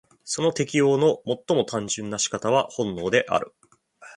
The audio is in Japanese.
その適応の最も単純な仕方は本能である。